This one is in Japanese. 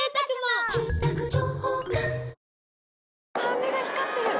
目が光ってる。